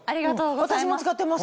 私も使ってます。